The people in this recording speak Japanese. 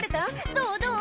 どうどう？